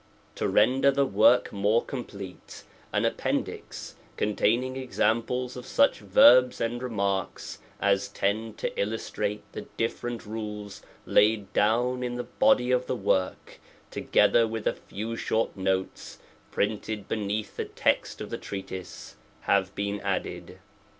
To render the work more complete, an Ap pendix, containing examples of such verbs and iks as tend to illustrate the different rules laid down in the body of the work, together with a fe notes printed beneath the text of the treatise, have been added.